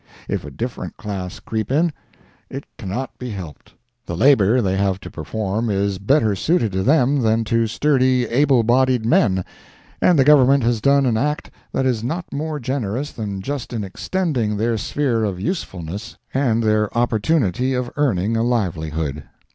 If a different class creep in, it cannot be helped. The labor they have to perform is better suited to them than to sturdy, able bodied men, and the Government has done an act that is not more generous than just in extending their sphere of usefulness and their opportunity of earning a livelihood.